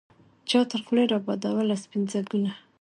چا تر خولې را بادوله سپین ځګونه